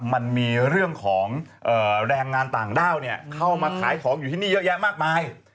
มันมีเรื่องของแรงงานต่างด้าวเข้ามาขายของอยู่ที่นี่เยอะแยะมากมาย